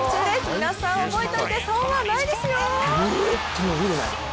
皆さん覚えておいて損はないですよ！